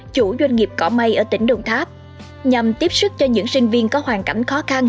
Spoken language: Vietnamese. chủ doanh nghiệp cỏ mây ở tỉnh đồng tháp nhằm tiếp sức cho những sinh viên có hoàn cảnh khó khăn